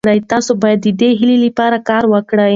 تاسي باید د دې هیلې لپاره کار وکړئ.